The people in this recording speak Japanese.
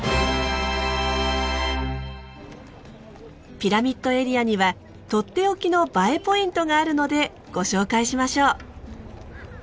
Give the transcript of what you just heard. ピラミッドエリアにはとっておきの映えポイントがあるのでご紹介しましょう。